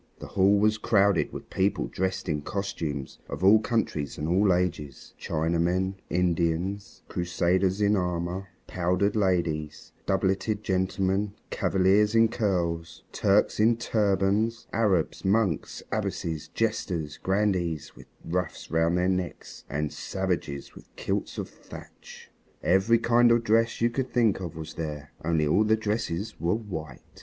The hall was crowded with people dressed in costumes of all countries and all ages Chinamen, Indians, Crusaders in armor, powdered ladies, doubleted gentlemen, Cavaliers in curls, Turks in turbans, Arabs, monks, abbesses, jesters, grandees with ruffs round their necks, and savages with kilts of thatch. Every kind of dress you can think of was there. Only all the dresses were white.